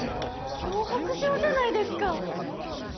脅迫状じゃないですか！